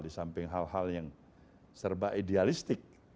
di samping hal hal yang serba idealistik